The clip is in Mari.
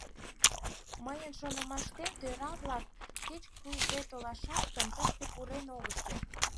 Мыйын шонымаштем, тӧра-влак кеч-кузе толашат гынат, тышке пурен огыт керт.